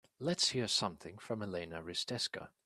Let's hear something from Elena Risteska